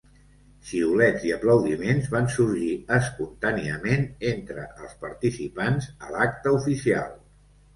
Xiulets i aplaudiments van sorgir espontàniament entre els participants a l'acte oficial.